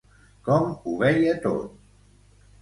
Com ho veia tot?